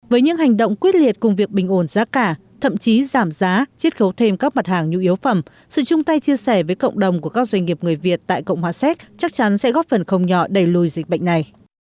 với những hành động quyết liệt cùng việc bình ổn giá cả thậm chí giảm giá chiết khấu thêm các mặt hàng nhu yếu phẩm sự chung tay chia sẻ với cộng đồng của các doanh nghiệp người việt tại cộng hòa séc chắc chắn sẽ góp phần không nhỏ đẩy lùi dịch bệnh này